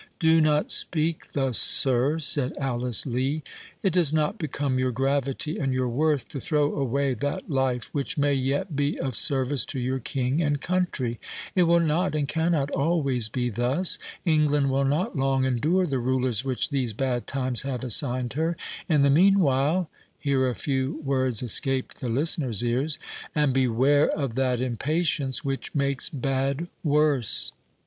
"Do not speak thus, sir," said Alice Lee; "it does not become your gravity and your worth to throw away that life which may yet be of service to your king and country,—it will not and cannot always be thus. England will not long endure the rulers which these bad times have assigned her. In the meanwhile—[here a few words escaped the listener's ears]—and beware of that impatience, which makes bad worse."